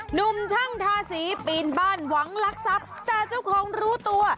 หนุ่มช่างทาสีปีนบ้านหวังลักทรัพย์แต่เจ้าของรู้ตัว